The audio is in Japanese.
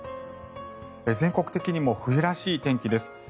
全国的にも冬らしい天気です。